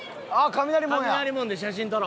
雷門で写真撮ろう！